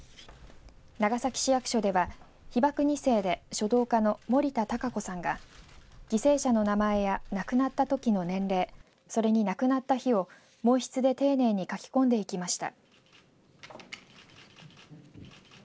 長崎市役所では被爆２世で書道家の森田孝子さんが犠牲者の名前や亡くなったときの年齢それに、亡くなった日を毛筆で丁寧に書き込んでいきました。